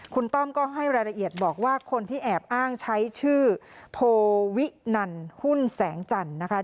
คุณต้อมก็ให้รายละเอียดบอกว่าคนที่แอบอ้างใช้ชื่อโพวินันหุ้นแสงจันทร์นะคะ